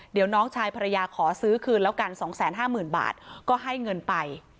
เดี๋ยวน้องชายภรรยาขอซื้อคืนแล้วกัน๒๕๐๐๐บาทก็ให้เงินไป